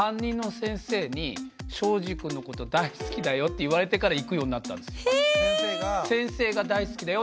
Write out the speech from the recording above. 先生が「大好きだよ」って言ってくれたから行くようになったんですよ。